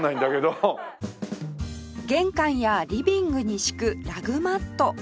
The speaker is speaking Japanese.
玄関やリビングに敷くラグマット